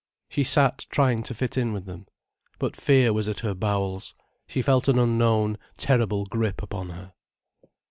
She sat trying to fit in with them. But fear was at her bowels, she felt an unknown, terrible grip upon her.